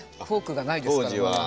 フォークがないですから。